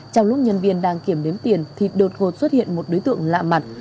trong lúc nhân viên đang kiểm đếm tiền thì đột ngột xuất hiện một đối tượng lạ mặt